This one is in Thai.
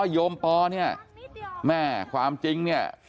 โยมปอเนี่ยแม่ความจริงเนี่ย